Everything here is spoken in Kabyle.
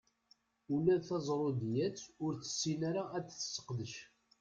Ula d taẓrudiyat ur tessin ara ad tt-tesseqbec.